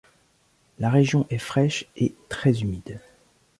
La région est fraiche et très humide.